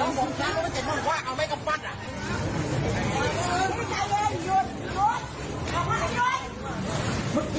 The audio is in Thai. เอาสิเรียกกันแหละได้ช่วย